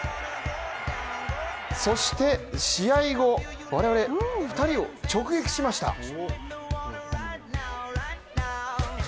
そして試合後、我々２人を直撃しました。